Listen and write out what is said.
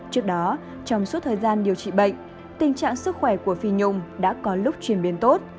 trước đó trong suốt thời gian điều trị bệnh tình trạng sức khỏe của phi nhung đã có lúc chuyển biến tốt